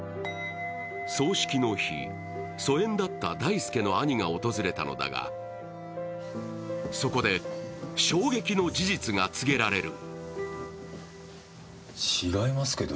葬式の日、疎遠だった大祐の兄が訪れたのだがそこで衝撃の事実が告げられる。